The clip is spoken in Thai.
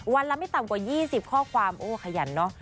ละไม่ต่ำกว่า๒๐ข้อความโอ้ขยันเนอะ